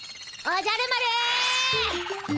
おじゃる丸。